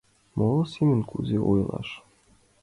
— Моло семын кузе ойлаш?